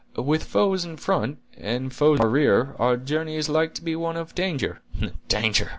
"With foes in front, and foes in our rear, our journey is like to be one of danger." "Danger!"